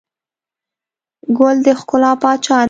ګل د ښکلا پاچا دی.